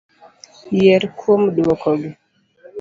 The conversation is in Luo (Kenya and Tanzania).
Yier kuom duoko gi.